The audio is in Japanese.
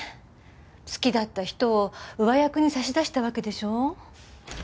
好きだった人を上役に差し出したわけでしょう？